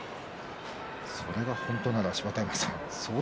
それが本当なら芝田山さん。